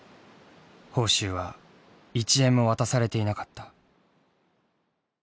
報酬は１円も渡されていなかった。